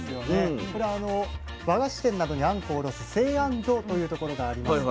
これ和菓子店などにあんこを卸す製あん所というところがあります。